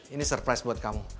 ini surprise buat kamu